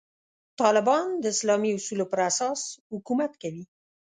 طالبان د اسلامي اصولو پر اساس حکومت کوي.